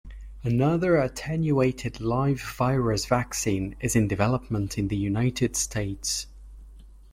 Another attenuated live virus vaccine is in development in the United States.